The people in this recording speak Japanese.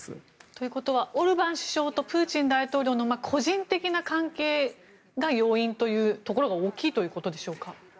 ということはオルバン首相とプーチン大統領の個人的な関係が要因というところが大きいということでしょうか。